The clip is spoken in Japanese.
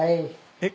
えっ？